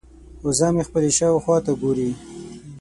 وزه مې خپلې شاوخوا ته ګوري.